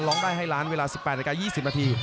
ร้องได้ให้ล้านเวลา๑๘นาที๒๐นาที